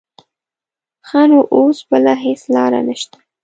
ښه نو اوس بله هېڅ لاره نه شته.